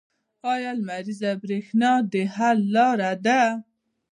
آیا لمریزه بریښنا د حل لاره ده؟